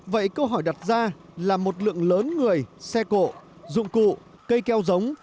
vậy câu hỏi đặt ra là một lượng lớn người xe cộ dụng cụ cây keo giống